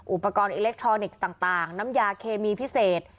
อุปกรณ์อิเล็กทรอนิกส์ต่างน้ำยาเคมีพิเศษ